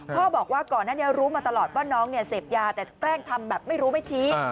บอกว่าก่อนหน้านี้รู้มาตลอดว่าน้องเนี่ยเสพยาแต่แกล้งทำแบบไม่รู้ไม่ชี้